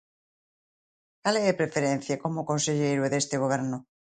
¿Cal é a preferencia como conselleiro e deste goberno?